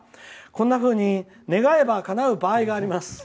こんなふうに願えばかなう場合があります。